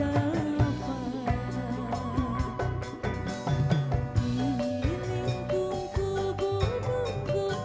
ambil ala alaan selain mengulangi phww